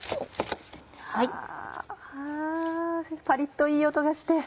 パリっといい音がして。